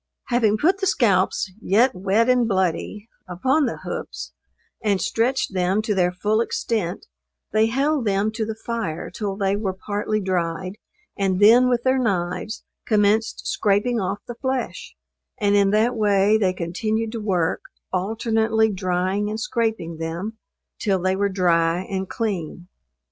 Having put the scalps, yet wet and bloody, upon the hoops, and stretched them to their full extent, they held them to the fire till they were partly dried and then with their knives commenced scraping off the flesh; and in that way they continued to work, alternately drying and scraping them, till they were dry and clean.